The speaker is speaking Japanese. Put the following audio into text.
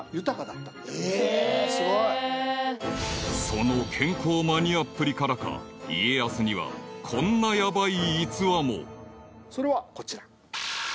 ［その健康マニアっぷりからか家康にはこんなヤバい逸話も］それはこちら。